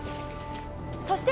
そして。